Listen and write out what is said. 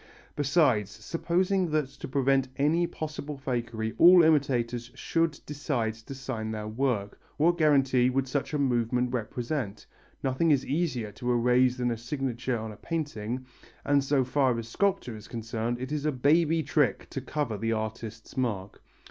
Besides, supposing that to prevent any possible fakery all imitators should decide to sign their work, what guarantee would such a movement represent? Nothing is easier to erase than a signature on a painting, and so far as a sculptor is concerned it is a baby trick to cover the artist's mark.